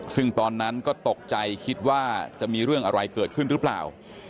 ซึ่งตอนนั้นก็ตกใจคิดว่าจะมีเรื่องอะไรเกิดขึ้นหรือเปล่า